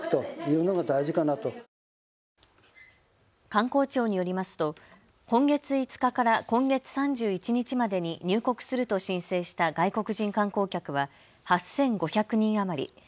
観光庁によりますと今月５日から今月３１日までに入国すると申請した外国人観光客は８５００人余り。